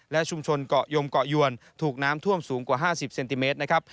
และชุมชนเกาะยมเกาะยวนถูกน้ำท่วมสูงกว่า๕๐เซนติเมตรนะครับ